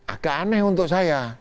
agak aneh untuk saya